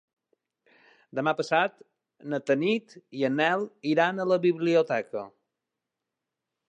Demà passat na Tanit i en Nel iran a la biblioteca.